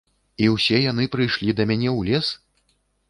І ўсе яны прыйшлі да мяне ў лес?